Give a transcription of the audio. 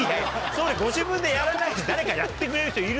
総理ご自分でやらない誰かやってくれる人いる。